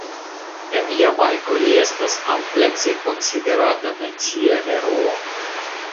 En Jamajko li estas amplekse konsiderata nacia heroo.